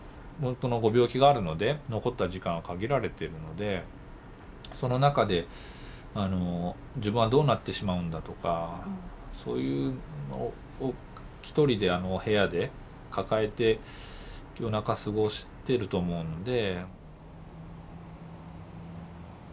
ご病気があるので残った時間は限られてるのでその中で自分はどうなってしまうんだとかそういうのをひとりで部屋で抱えて夜中過ごしてると思うので。